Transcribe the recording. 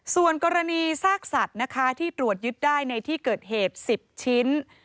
ส่วนกรณีซากสัตว์นะคะที่ตรวจยึดได้ในที่เกิดเหตุ๑๐ชิ้น